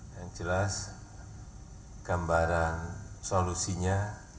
yang jelas gambaran solusinya